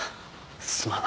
すまん。